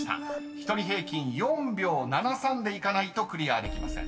［１人平均４秒７３でいかないとクリアできません］